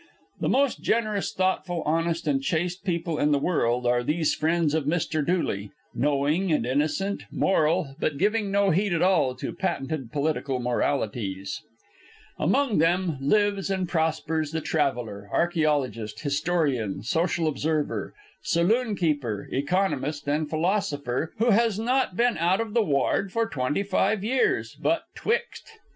The most generous, thoughtful, honest, and chaste people in the world are these friends of Mr. Dooley, knowing and innocent; moral, but giving no heed at all to patented political moralities. Among them lives and prospers the traveller, archæologist, historian, social observer, saloon keeper, economist, and philosopher, who has not been out of the ward for twenty five years "but twict."